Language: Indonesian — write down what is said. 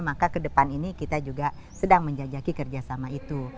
maka ke depan ini kita juga sedang menjajaki kerjasama itu